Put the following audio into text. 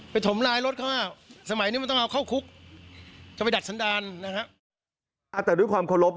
ไปถมลายรถเข้า